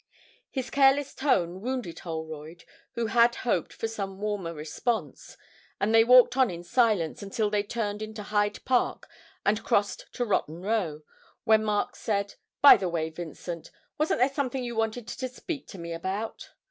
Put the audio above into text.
His careless tone wounded Holroyd, who had hoped for some warmer response; and they walked on in silence until they turned into Hyde Park and crossed to Rotten Row, when Mark said, 'By the way, Vincent, wasn't there something you wanted to speak to me about?'